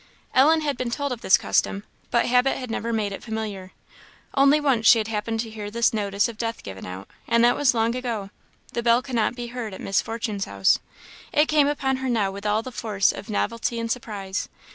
Ellen had been told of this custom, but habit had never made it familiar. Only once she had happened to hear this notice of death given out; and that was long ago; the bell could not be heard at Miss Fortune's house. It came upon her now with all the force of novelty and surprise.